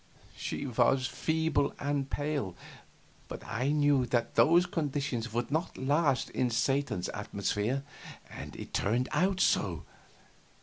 She was feeble and pale, but I knew that those conditions would not last in Satan's atmosphere, and it turned out so.